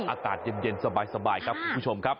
อากาศเย็นสบายครับคุณผู้ชมครับ